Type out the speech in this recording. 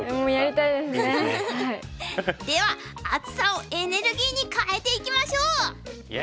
では暑さをエネルギーに換えていきましょう！